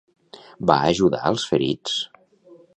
Va ajudar als ferits?